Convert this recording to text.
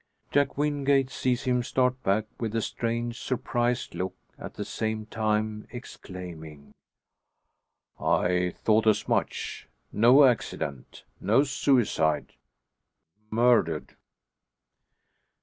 Jack Wingate sees him start back with a strange surprised look, at the same time exclaiming, "I thought as much! No accident! no suicide murdered!"